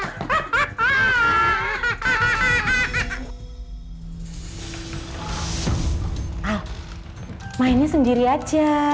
al mainnya sendiri aja